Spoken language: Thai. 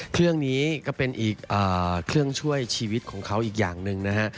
เครื่องนี้ก็เป็นอีกเครื่องช่วยชีวิตของเขาอีกอย่างหนึ่งนะฮะ